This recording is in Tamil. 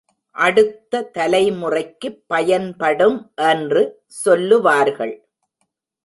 அடுத்த தலைமுறைக்குப் பயன்படும் என்று சொல்லுவார்கள்.